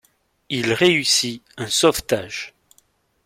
Il réussit un sauvetage.